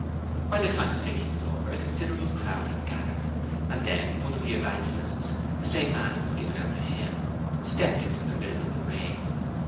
By the time the singing was over a considerable crowd had gathered, and then one of the evangelists, the same man who had given out the hymn, stepped into the middle of the ring.